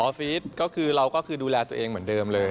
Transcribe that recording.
ฟิศก็คือเราก็คือดูแลตัวเองเหมือนเดิมเลย